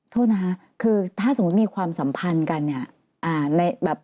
โทษนะครับคือถ้าสมมุติมีความสัมพันธ์กัน